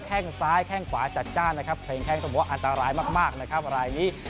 แค่งซ้ายแค่งขวาจัดจ้านนะครับเพลงแค่งสมบัติอันตรายมากนะครับรายนี้